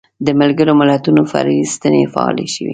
د ملګرو ملتونو فرعي ستنې فعالې شوې.